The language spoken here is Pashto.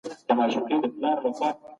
افغان سوداګر د کار کولو مساوي حق نه لري.